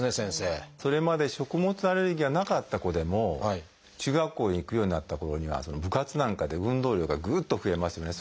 それまで食物アレルギーがなかった子でも中学校へ行くようになったころには部活なんかで運動量がぐっと増えますよね。